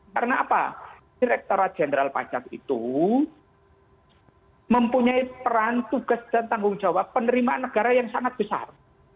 karena apa direkturat jenderal pajak itu mempunyai peran tugas dan tanggung jawab penerimaan negara yang sangat besar